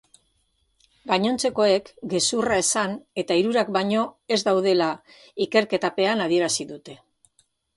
Gainontzekoek, gezurra esan eta hirurak baino ez daudela ikerketapean adierazi dute.